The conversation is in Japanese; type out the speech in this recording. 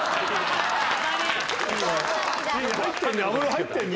入ってんね。